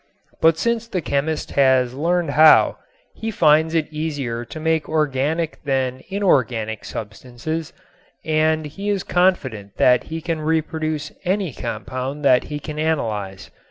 But since the chemist has learned how, he finds it easier to make organic than inorganic substances and he is confident that he can reproduce any compound that he can analyze.